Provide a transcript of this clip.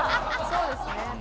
そうですね。